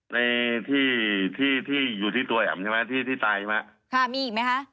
ในที่อยู่ที่ตัวแอมใช่ไหมที่ใต้ใช่ไหม